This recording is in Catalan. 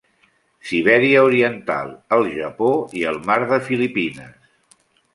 Sibèria oriental, el Japó i el mar de Filipines.